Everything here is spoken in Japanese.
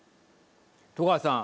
戸川さん。